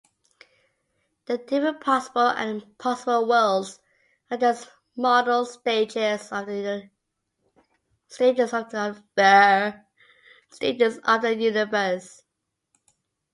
The different possible and impossible worlds are just modal stages of the universe.